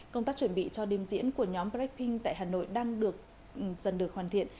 công tác chuẩn bị cho đêm diễn của nhóm blackpink tại hà nội đang được dần được hoàn thiện